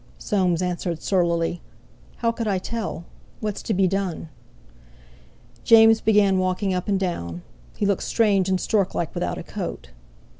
Soames answered surlily: "How could I tell? What's to be done?" James began walking up and down; he looked strange and stork like without a coat.